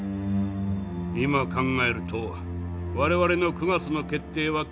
今考えると我々の９月の決定は軽率だった。